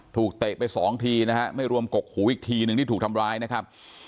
เตะไปสองทีนะฮะไม่รวมกกหูอีกทีหนึ่งที่ถูกทำร้ายนะครับ